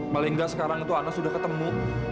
paling gak sekarang itu ana sudah ketemu